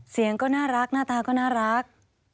เสียงก็น่ารักหน้าตาก็น่ารัก